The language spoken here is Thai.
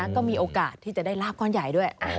ก็มีโอกาสที่จะได้ลาบก้อนใหญ่ด้วย